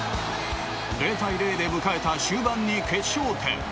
０対０で迎えた終盤に決勝点。